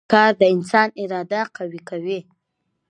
کار د انسان اراده قوي کوي